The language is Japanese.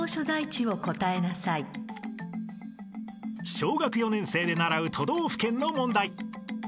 ［小学４年生で習う都道府県の問題］